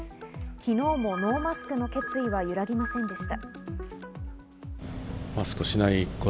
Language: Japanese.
昨日もノーマスクの決意は揺らぎませんでした。